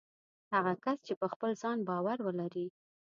هغه کس چې په خپل ځان باور ولري